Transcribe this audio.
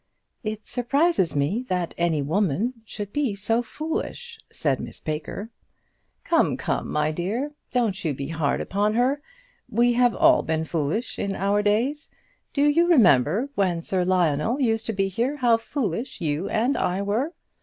"It surprises me that any woman should be so foolish," said Miss Baker. "Come, come, my dear, don't you be hard upon her. We have all been foolish in our days. Do you remember, when Sir Lionel used to be here, how foolish you and I were?"